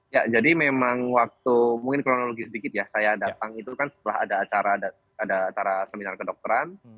ya jadi memang waktu mungkin kronologi sedikit ya saya datang itu kan setelah ada acara seminar kedokteran